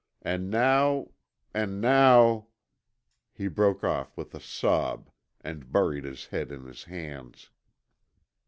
And now, and now " He broke off with a sob and buried his head in his hands.